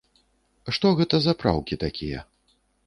Што гэта за праўкі такія?